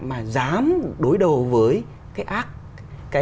mà dám đối đầu với cái ác